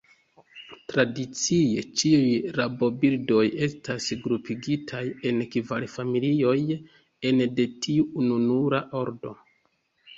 Tradicie ĉiuj rabobirdoj estas grupigitaj en kvar familioj ene de tiu ununura ordo.